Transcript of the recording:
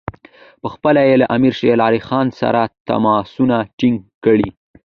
پخپله یې له امیر شېر علي سره تماسونه ټینګ کړي.